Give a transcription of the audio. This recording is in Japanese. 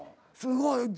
すごい。